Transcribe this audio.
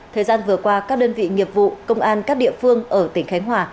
thời gian vừa qua các đơn vị nghiệp vụ công an các địa phương ở tỉnh khánh hòa